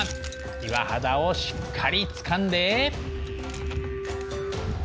岩肌をしっかりつかんで。